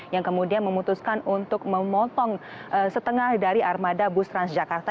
yang kemudian memutuskan untuk memotong setengah dari armada bus transjakarta